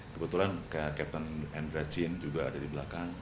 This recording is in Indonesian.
kebetulan ke kapten andra chin juga ada di belakang